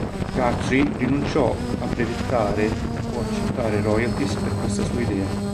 Guthrie rinunciò a brevettare o accettare royalties per questa sua idea.